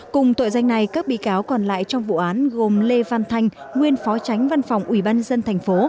cùng tội danh này các bị cáo còn lại trong vụ án gồm lê văn thanh nguyên phó tránh văn phòng ubnd tp